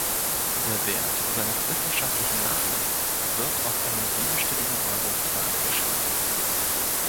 Der Wert seines wissenschaftlichen Nachlasses wird auf einen siebenstelligen Euro-Betrag geschätzt.